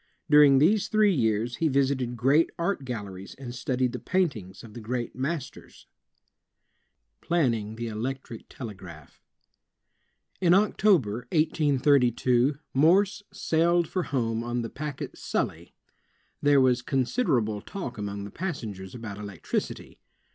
During these three years, he visited great art galleries and studied the paintings of the great masters. samuel f. b. morse 217 Planning the Electric Telegraph In October, 1832, Morse sailed for home on the packet Sidly. There was considerable talk among the passengers about electricity.